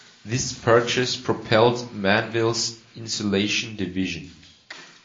This purchase propelled Manville's insulation division.